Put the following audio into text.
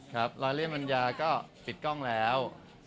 ครับร้านเรียนบรรยาก็ปิดกล้องแล้ว